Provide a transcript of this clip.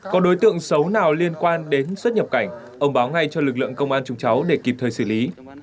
có đối tượng xấu nào liên quan đến xuất nhập cảnh ông báo ngay cho lực lượng công an chúng cháu để kịp thời xử lý